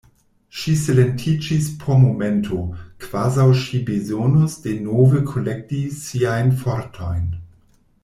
Ŝi silentiĝis por momento, kvazaŭ ŝi bezonus denove kolekti siajn fortojn.